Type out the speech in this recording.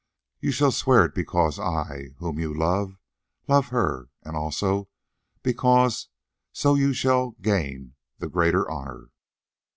"You shall swear it because I, whom you love, love her, and also because so you shall gain the greater honour."